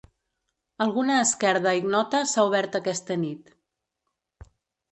Alguna esquerda ignota s'ha obert aquesta nit.